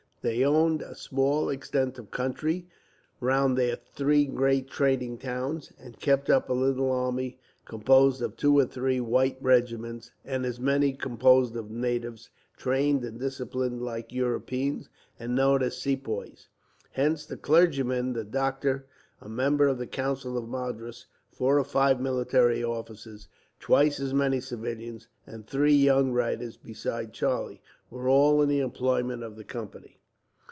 They owned a small extent of country, round their three great trading towns; and kept up a little army, composed of two or three white regiments; and as many composed of natives, trained and disciplined like Europeans, and known as Sepoys. Hence the clergyman, the doctor, a member of the council of Madras, four or five military officers, twice as many civilians, and three young writers, besides Charlie, were all in the employment of the Company.